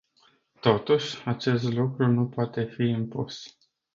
Totuși, acest lucru nu poate fi impus.